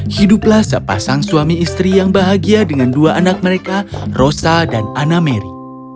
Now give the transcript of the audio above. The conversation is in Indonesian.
hiduplah sepasang suami istri yang bahagia dengan dua anak mereka rosa dan anna mary